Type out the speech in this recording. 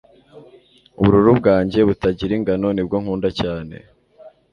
ubururu bwanjye butagira ingano nibwo nkunda cyane